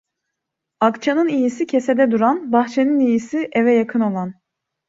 Akçanın iyisi kesede duran, bahçanın iyisi eve yakın olan.